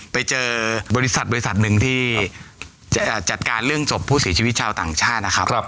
ไปเจอบริษัทบริษัทหนึ่งที่จัดการเรื่องศพผู้เสียชีวิตชาวต่างชาตินะครับ